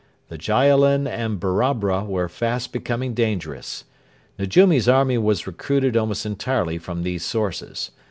The Jaalin and Barabra were fast becoming dangerous. Nejumi's army was recruited almost entirely from these sources.